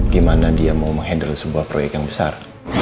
gimana dia mau menghandle sebuah proyek yang besar